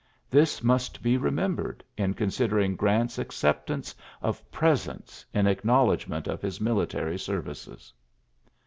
This must be remi bered in considering Grant's accepta of presents in acknowledgment of military services.